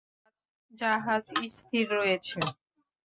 জাহাজ স্থির রয়েছে।